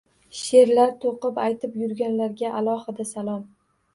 She'rlar to'qib aytib yurganlarga alohida salomlar!